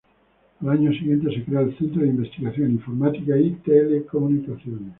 Al año siguiente, se crea el Centro de Investigación en Informática y Telecomunicaciones.